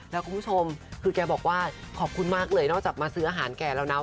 แล้วคุณผู้ชมคือแกบอกว่าขอบคุณมากเลยนอกจากมาซื้ออาหารแก่แล้วนะ